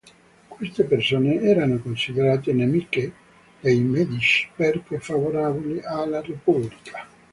Queste persone erano considerate nemiche dei Medici perché favorevoli alla repubblica.